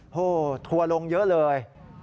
โอ้โหทัวร์ลงเยอะเลย